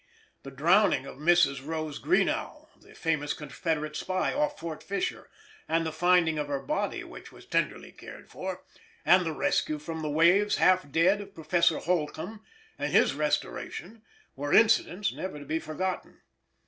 The drowning of Mrs. Rose Greenough, the famous Confederate spy, off Fort Fisher, and the finding of her body, which was tenderly cared for, and the rescue from the waves, half dead, of Professor Holcombe, and his restoration, were incidents never to be forgotten.